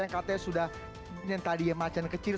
yang katanya sudah yang tadi ya macanan kecil